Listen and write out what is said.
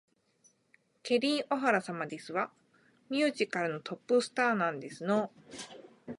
ケリー・オハラ様ですわ。ミュージカルのトップスターなんですの